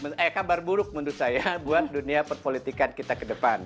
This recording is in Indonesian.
ini kabar buruk menurut saya buat dunia perpolitikan kita ke depan